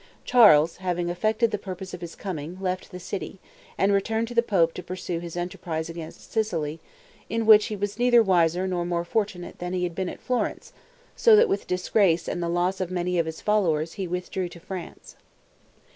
Charles, having effected the purpose of his coming, left the city, and returned to the pope to pursue his enterprise against Sicily, in which he was neither wiser nor more fortunate than he had been at Florence; so that with disgrace and the loss of many of his followers, he withdrew to France.